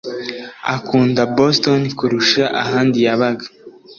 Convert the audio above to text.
akunda Boston kurusha ahandi yabaga